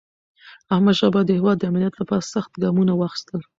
احمدشاه بابا د هیواد د امنیت لپاره سخت ګامونه واخیستل.